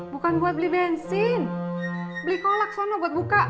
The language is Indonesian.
bukan buat beli bensin beli kolak sana buat buka